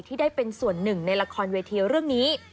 ที่ได้เป็นส่วนหนึ่งในละครเวทีเรื่องนี้